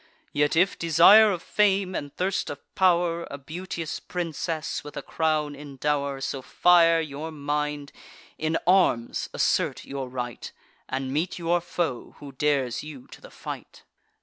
Yet, if desire of fame, and thirst of pow'r, A beauteous princess, with a crown in dow'r, So fire your mind, in arms assert your right, And meet your foe, who dares you to the fight.